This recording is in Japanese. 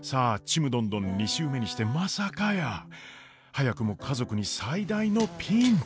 「ちむどんどん」２週目にしてまさかやー早くも家族に最大のピンチ！